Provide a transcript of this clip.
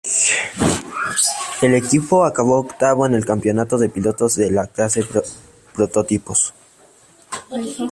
El equipo acabó octavo en el campeonato de pilotos de la clase de prototipos.